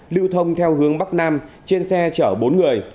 lưu thông theo hướng bắc nam trên xe chở bốn người